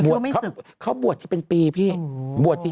เขาที่บวชที่เป็นปีพี่